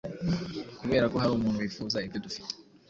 kubera ko hari umuntu wifuza ibyo dufite .